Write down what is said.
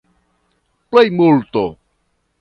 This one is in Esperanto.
plejmulto